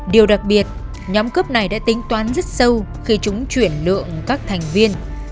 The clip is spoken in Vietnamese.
điều đặc biệt nhóm cướp này đã tính toán rất sâu khi chúng chuyển lượng các thành viên